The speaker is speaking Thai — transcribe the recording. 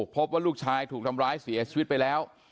พบว่าลูกชายถูกทำร้ายเสียชีวิตไปแล้ว